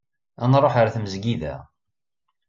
Ad nruḥ ɣer tmezgida.